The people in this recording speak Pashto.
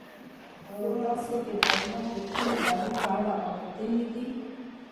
آیا تاسو د بامیان د ښکلو درو په اړه اوریدلي دي؟